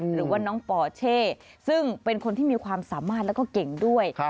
หรือว่าน้องปอเช่ซึ่งเป็นคนที่มีความสามารถแล้วก็เก่งด้วย